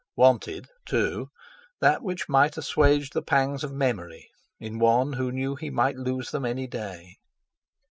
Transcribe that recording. "Wanted"—too, that which might assuage the pangs of memory in one who knew he might lose them any day!